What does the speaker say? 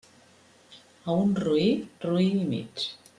A un roí, roí i mig.